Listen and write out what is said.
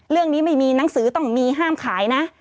เรื่องนี้ไม่มีหนังสือต้องมีห้ามขายนะ